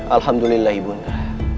alhamdulillah ibu nura